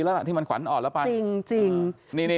แล้วนะที่มันขวานออดแล้วไปจริงจริงอ่า